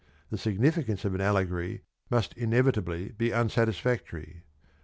the significance of an allegory must inevitably be unsatisfactory.